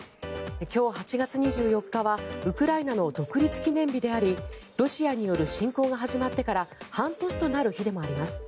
今日８月２４日はウクライナの独立記念日でありロシアによる侵攻が始まってから半年となる日でもあります。